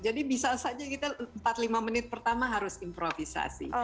jadi bisa saja kita empat lima menit pertama harus improvisasi